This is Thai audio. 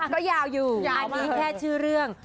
ก็ยาวอยู่อันนี้แค่ชื่อเรื่อง